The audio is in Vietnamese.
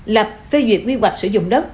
lập phê duyệt quy hoạch sử dụng đất